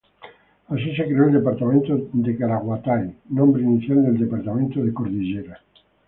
Así se creó el departamento de Caraguatay, nombre inicial del departamento de Cordillera.